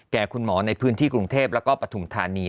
คุณหมอในพื้นที่กรุงเทพแล้วก็ปฐุมธานี